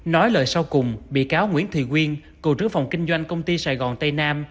nói lời sau cùng bị cáo nguyễn thị quyên cựu trưởng phòng kinh doanh công ty sài gòn tây nam